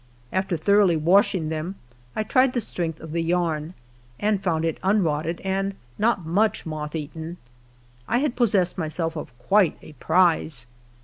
After thoroughly washing them, I tried the strength of the yarn, and found it unrotted and not much moth eaten. I had possessed myself of quite a prize.